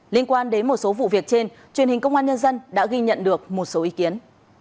liên quan đến một số vụ việc trên truyền hình công an nhân dân đã ghi nhận được một số ý kiến